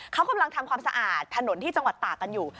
เขากำลังทำความสะอาดถนนที่จังหวัดตากกันอยู่